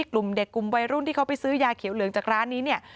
กลุ่มเด็กกลุ่มวัยรุ่นที่เขาไปซื้อยาเขียวเหลืองจากร้านนี้เนี่ย